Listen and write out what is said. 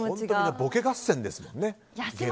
ボケ合戦ですからね。